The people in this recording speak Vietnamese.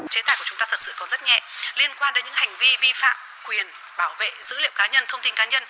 chế tài của chúng ta thật sự còn rất nhẹ liên quan đến những hành vi vi phạm quyền bảo vệ dữ liệu cá nhân thông tin cá nhân